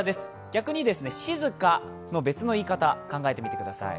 逆に「静か」の別の言い方、考えてみてください。